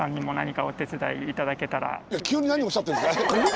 ぜひ急に何をおっしゃってるんですか？